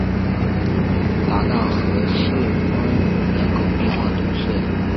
达讷和四风人口变化图示